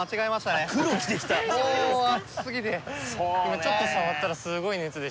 今ちょっと触ったらすごい熱でした。